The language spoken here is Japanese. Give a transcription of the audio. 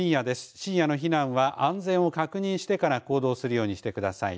深夜の避難は安全を確認してから行動するようにしてください。